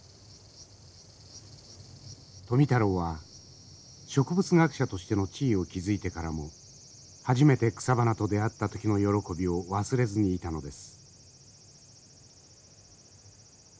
富太郎は植物学者としての地位を築いてからも初めて草花と出会った時の喜びを忘れずにいたのです。